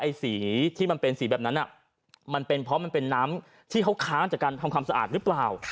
สีที่มันเป็นสีแบบนั้นมันเป็นเพราะมันเป็นน้ำที่เขาค้างจากการทำความสะอาดหรือเปล่า